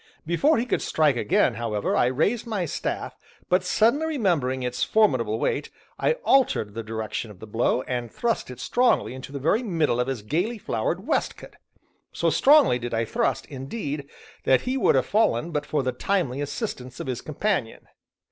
Before he could strike again, however, I raised my staff, but suddenly remembering its formidable weight, I altered the direction of the blow, and thrust it strongly into the very middle of his gayly flowered waistcoat. So strongly did I thrust, indeed, that he would have fallen but for the timely assistance of his companion.